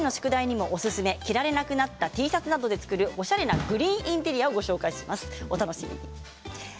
着られなくなったＴシャツなどで作る、おしゃれなグリーンインテリアをご紹介します。